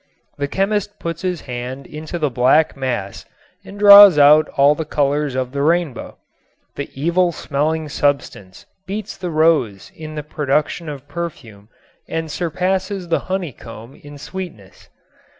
The chemist puts his hand into the black mass and draws out all the colors of the rainbow. This evil smelling substance beats the rose in the production of perfume and surpasses the honey comb in sweetness.